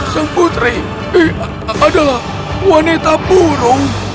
sang putri adalah wanita burung